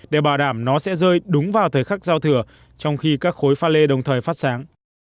để bảo đảm nó sẽ rơi đúng vào thời khắc giao thừa trong khi các khối pha lê đồng thời phát sáng